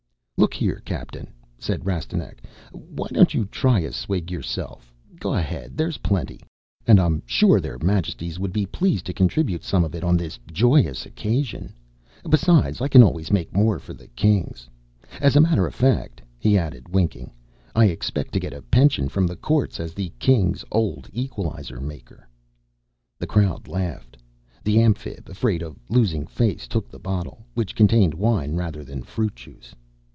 "Look here, captain," said Rastignac, "why don't you try a swig yourself? Go ahead. There's plenty. And I'm sure Their Majesties would be pleased to contribute some of it on this joyous occasion. Besides, I can always make more for the Kings. "As a matter of fact," he added, winking, "I expect to get a pension from the courts as the Kings' Old Equalizer maker." The crowd laughed. The Amphib, afraid of losing face, took the bottle which contained wine rather than fruit juice.